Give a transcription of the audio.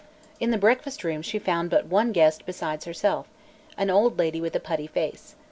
In the breakfast room she found but one guest besides herself, an old lady with a putty face.